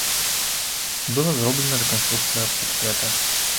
Была зроблена рэканструкцыя партрэта.